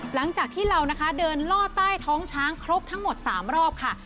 หลังจากที่เรานะคะเดินล่อใต้ท้องช้างครบทั้งหมด๓รอบค่ะ